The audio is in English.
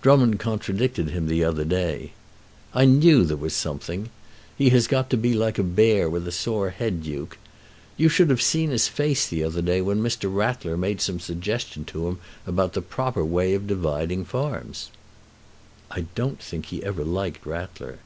"Drummond contradicted him the other day." "I knew there was something. He has got to be like a bear with a sore head, Duke. You should have seen his face the other day, when Mr. Rattler made some suggestion to him about the proper way of dividing farms." "I don't think he ever liked Rattler."